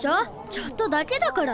ちょっとだけだから。